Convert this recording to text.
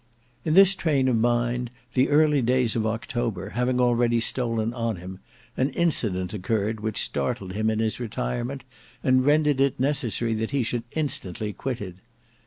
In this train of mind, the early days of October having already stolen on him, an incident occurred which startled him in his retirement, and rendered it necessary that he should instantly quit it.